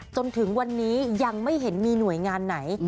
จนถึงวันนี้ยังไม่เห็นมีหน่วยงานไหน